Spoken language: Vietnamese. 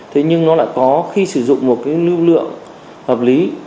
thế nhưng nó lại có khi sử dụng một cái lưu lượng hợp lý